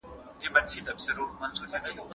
د پسرلي ګلونه هم ښکلي دي.